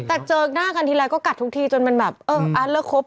แต่เจอกล้างหน้ากันทีแล้วก็กัดทุกทีจนมันแบบเอออ่าเลิกคบ